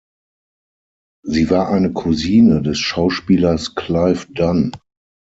Sie war eine Cousine des Schauspielers Clive Dunn.